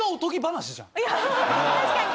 確かに！